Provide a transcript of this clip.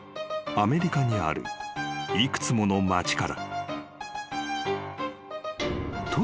［アメリカにある幾つもの町から］